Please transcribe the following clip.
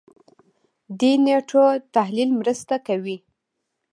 دې نېټو تحلیل مرسته کوي.